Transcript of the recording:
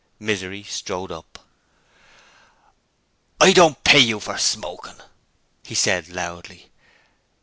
Misery strode up. 'I don't pay you for smoking,' he said, loudly.